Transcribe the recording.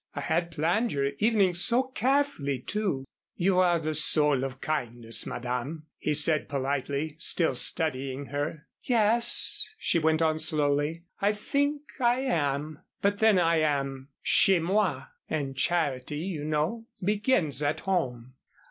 I had planned your evening so carefully, too " "You are the soul of kindness, Madame," he said politely, still studying her. "Yes," she went on, slowly, "I think I am. But then I am chez moi, and charity, you know, begins at home."